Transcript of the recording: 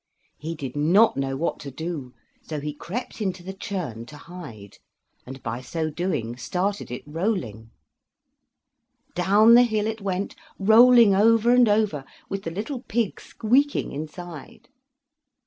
He did not know what to do, so he crept into the churn to hide, and by so doing started it rolling. Down the hill it went, rolling over and over, with the little pig squeaking inside.